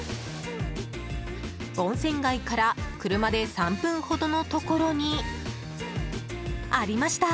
温泉街から、車で３分ほどのところにありました。